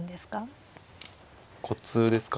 コツですか。